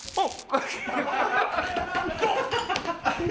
あっ！